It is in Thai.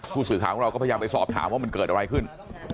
ผู้สื่อข่าวของเราก็พยายามไปสอบถามว่ามันเกิดอะไรขึ้น